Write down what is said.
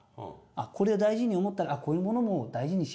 これを大事に思ったらこういうものも大事にしよう